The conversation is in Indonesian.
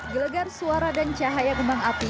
gelegar suara dan cahaya kembang api